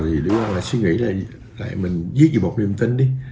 thì lê quang lại suy nghĩ là mình viết về một niềm tin đi